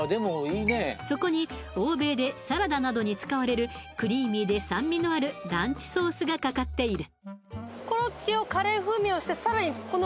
そこに欧米でサラダなどに使われるクリーミーで酸味のあるランチソースがかかっている